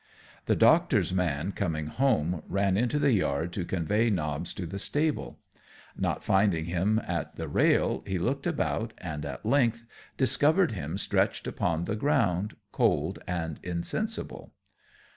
The Doctor's man coming home, ran into the yard to convey Nobbs to the stable; not finding him at the rail, he looked about, and at length discovered him stretched upon the ground, cold and insensible.